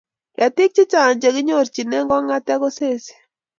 ketik chechang chekinyorchine kongatee ko sessie